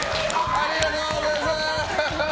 ありがとうございます！